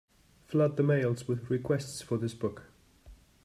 Flood the mails with requests for this book.